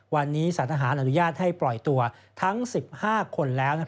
วันนี้สารทหารอนุญาตให้ปล่อยตัวทั้ง๑๕คนแล้ว